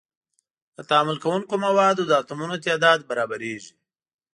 د تعامل کوونکو موادو د اتومونو تعداد برابریږي.